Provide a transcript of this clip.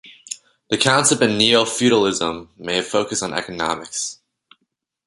The concept of "neofeudalism" may focus on economics.